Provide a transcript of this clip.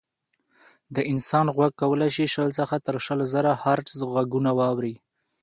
د انسان غوږ کولی شي شل څخه تر شل زره هیرټز غږونه واوري.